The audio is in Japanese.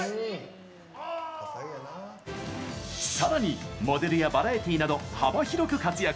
さらにモデルやバラエティーなど幅広く活躍！